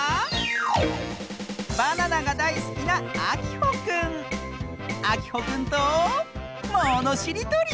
バナナがだいすきなあきほくんとものしりとり！